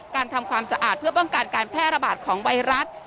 ทำความสะอาดเพื่อป้องกันการแพร่ระบาดของไวรัส